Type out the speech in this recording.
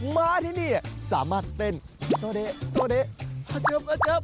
มาที่นี่สามารถเต้นโต๊ะเดะโต๊ะเดะอัจจับอัจจับ